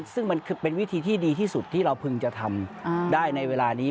ซึ่งมันเป็นวิธีที่ดีที่สุดที่เราพึงจะทำได้ในเวลานี้